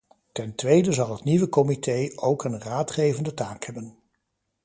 Ten tweede zal het nieuwe comité ook een raadgevende taak hebben.